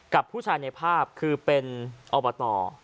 กับผู้ชายในภาพคือเป็นอบต